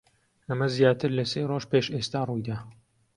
ئەمە زیاتر لە سێ ڕۆژ پێش ئێستا ڕووی دا.